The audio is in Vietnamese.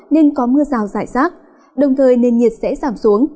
nên có mưa rào rải rác đồng thời nền nhiệt sẽ giảm xuống